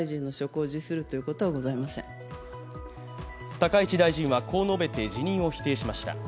高市大臣はこう述べて、辞任を否定しました。